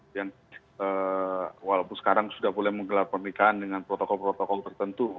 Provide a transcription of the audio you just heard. dan walaupun sekarang sudah boleh menggelar pernikahan dengan protokol protokol tertentu